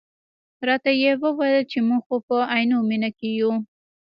راته یې وویل چې موږ خو په عینومېنه کې یو.